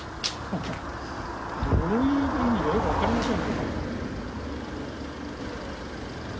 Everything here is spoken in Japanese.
どういう意味かよく分かりません。